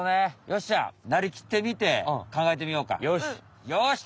よっしゃなりきってみてかんがえてみようか？